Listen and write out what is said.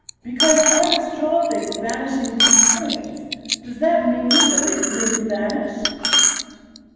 Because artists draw things vanishing to points, does that mean that they really vanish?"